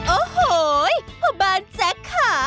โอ้โหพ่อบ้านแจ๊คค่ะ